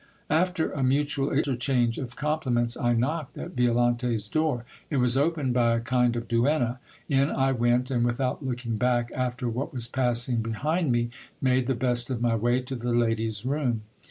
After a mutual interchange of compliments, I knocked at Violante's door. It was opened by a kind of duenna. In I went, and without looking back after what was passing behind me, made the best of my way to the lady's room.